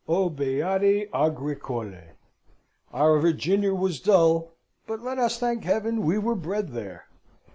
O beati agricolae! Our Virginia was dull, but let us thank Heaven we were bred there.